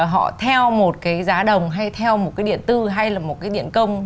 họ theo một cái giá đồng hay theo một cái điện tư hay là một cái điện công